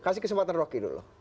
kasih kesempatan rocky dulu